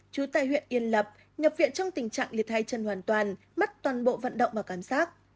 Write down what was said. chú tại huyện yên lập nhập viện trong tình trạng liệt hai chân hoàn toàn mất toàn bộ vận động và cảm giác